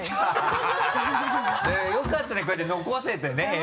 よかったね